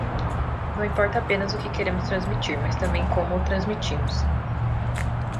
Não importa apenas o que queremos transmitir, mas também como o transmitimos.